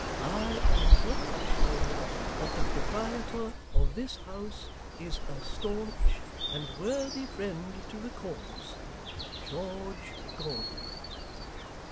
I am well assured that the proprietor of this house is a staunch and worthy friend to the cause. GEORGE GORDON.